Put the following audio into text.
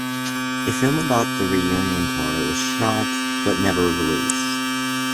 A film about the reunion tour was shot but never released.